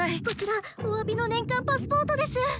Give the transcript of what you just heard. こちらおわびの年間パスポートです！